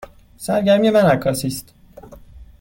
سرگرمی من عکاسی است.